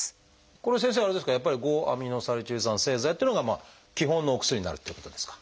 これは先生あれですかやっぱり５−アミノサリチル酸製剤っていうのが基本のお薬になるっていうことですか？